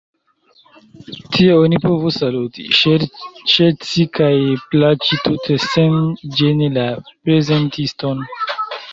Tie oni povis saluti, ŝerci kaj klaĉi tute sen ĝeni la prezentiston.